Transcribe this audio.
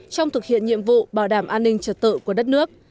trong thực hiện nhiệm vụ bảo đảm an ninh trật tự của đất nước